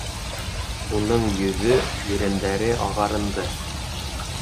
Уның йөҙө, ирендәре ағарынды.